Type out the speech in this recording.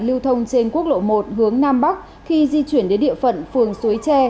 lưu thông trên quốc lộ một hướng nam bắc khi di chuyển đến địa phận phường suối tre